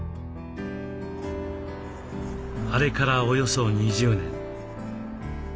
あれからおよそ２０年。